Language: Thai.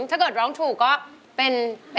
ถ้าเกิดร้องถูกก็เป็น